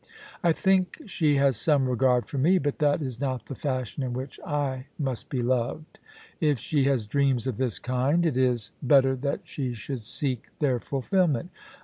I think she has some regard for me, but that is not the fashion in which I must be loved. If she has dreams of this kind, it is HERCULES AND OMPHALE. 107 better that she should seek their fulfilment.